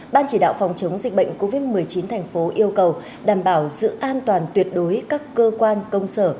ban chỉ đạo phòng chống dịch bệnh covid một mươi chín thành phố yêu cầu đảm bảo sự an toàn tuyệt đối các cơ quan công sở